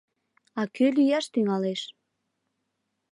А кӧ лӱяш тӱҥалеш?